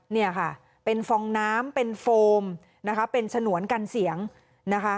เนี่ยค่ะเป็นฟองน้ำเป็นโฟมนะคะเป็นฉนวนกันเสียงนะคะ